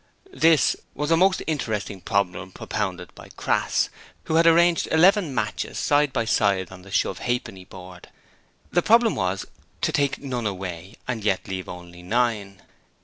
'This' was a most interesting problem propounded by Crass, who had arranged eleven matches side by side on the shove ha'penny board. The problem was to take none away and yet leave only nine.